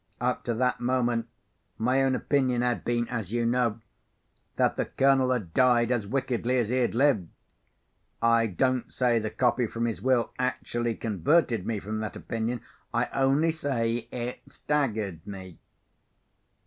Up to that moment, my own opinion had been (as you know) that the Colonel had died as wickedly as he had lived. I don't say the copy from his Will actually converted me from that opinion: I only say it staggered me.